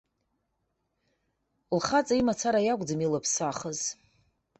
Лхаҵа имацара иакәӡам илыԥсахыз.